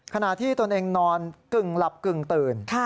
ขณะที่ตนเองนอนกึ่งหลับกึ่งตื่น